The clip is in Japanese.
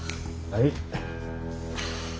はい。